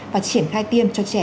và triển khai tiêm cho trẻ